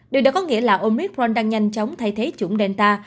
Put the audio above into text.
điều đó có nghĩa là omicron đang nhanh chóng thay thế chủng delta